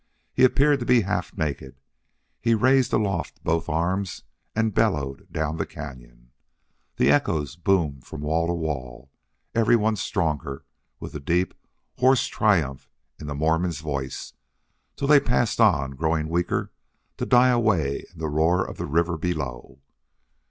He appeared to be half naked; he raised aloft both arms, and bellowed down the cañon. The echoes boomed from wall to wall, every one stronger with the deep, hoarse triumph in the Mormon's voice, till they passed on, growing weaker, to die away in the roar of the river below.